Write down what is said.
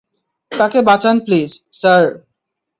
তাকে বাঁচান please, sir!